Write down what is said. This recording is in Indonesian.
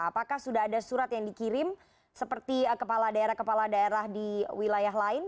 apakah sudah ada surat yang dikirim seperti kepala daerah kepala daerah di wilayah lain